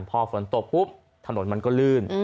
พอฝนตบทะโหนมันก็ลื่น